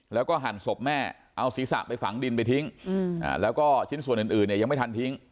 แล้วก็หั่นศพแม่เอาศีรษะไปฝังดินไปทิ้งแล้วก็ชิ้นส่วนอื่นเนี่ยยังไม่ทันทิ้ง